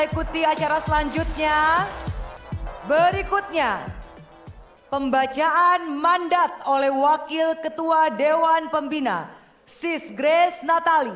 ikuti acara selanjutnya berikutnya pembacaan mandat oleh wakil ketua dewan pembina sis grace natali